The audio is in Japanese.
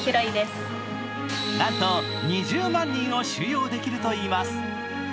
なんと２０万人を収容できるといいます。